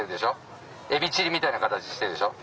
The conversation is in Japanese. エビチリみたいな形してるでしょ。